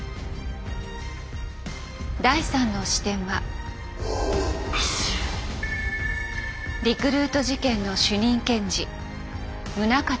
第３の視点はリクルート事件の主任検事宗像紀夫。